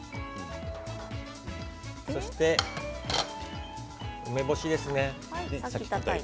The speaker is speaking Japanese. そして梅干しですね。